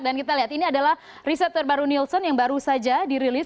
dan kita lihat ini adalah riset terbaru nielsen yang baru saja dirilis